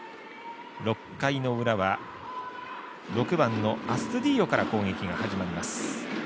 ６回の裏は６番のアストゥディーヨから攻撃が始まります。